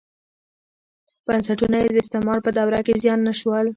بنسټونه یې د استعمار په دوره کې زیان نه شول.